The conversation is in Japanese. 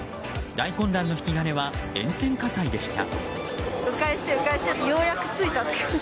大混乱の引き金は電線火災でした。